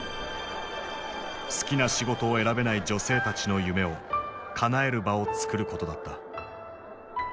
好きな仕事を選べない女性たちの夢をかなえる場をつくることだった。